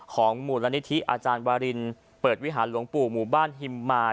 มูลนิธิอาจารย์วารินเปิดวิหารหลวงปู่หมู่บ้านฮิมมา